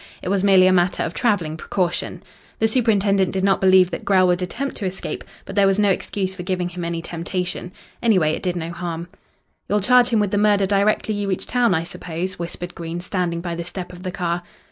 It was merely a matter of travelling precaution. The superintendent did not believe that Grell would attempt to escape, but there was no excuse for giving him any temptation. Anyway, it did no harm. "You'll charge him with the murder directly you reach town, I suppose?" whispered Green, standing by the step of the car.